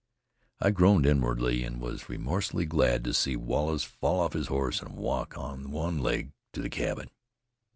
I groaned inwardly, and was remorselessly glad to see Wallace fall off his horse and walk on one leg to the cabin.